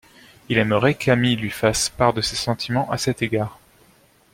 Il aimerait qu'Amy lui fasse part de ses sentiments à cet égard.